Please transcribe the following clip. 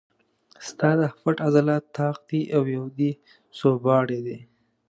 ستا دا پټ عضلات طاق دي او یو دې سوباړی دی.